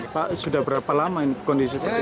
pak sudah berapa lama kondisi seperti ini